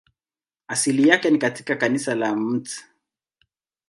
Asili yake ni katika kanisa la Mt.